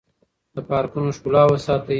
د پارکونو ښکلا وساتئ.